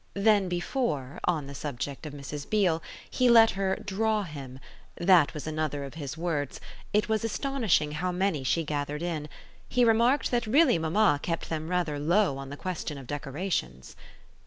Then before (on the subject of Mrs. Beale) he let her "draw" him that was another of his words; it was astonishing how many she gathered in he remarked that really mamma kept them rather low on the question of decorations.